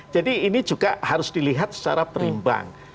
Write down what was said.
jadi ini juga harus dilihat secara perimbang